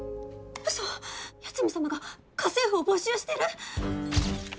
ウソ八海サマが家政婦を募集してる！？